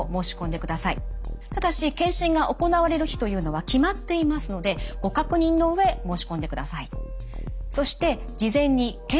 ただし検診が行われる日というのは決まっていますのでご確認の上申し込んでください。